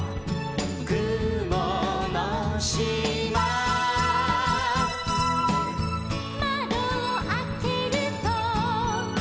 「くものしま」「まどをあけると」